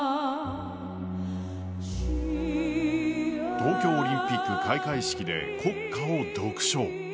東京オリンピック開会式で国歌を独唱。